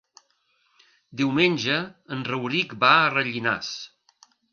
Diumenge en Rauric va a Rellinars.